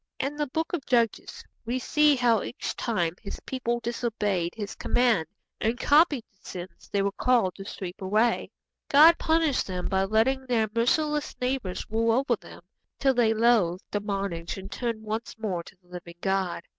In the Book of Judges we see how each time His people disobeyed His command and copied the sins they were called to sweep away, God punished them by letting their merciless neighbours rule over them, till they loathed the bondage and turned once more to the living God.